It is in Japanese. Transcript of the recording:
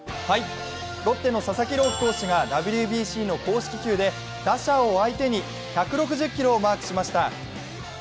ロッテの佐々木朗希投手がＷＢＣの公式球で打者を相手に１６０キロをマークしました。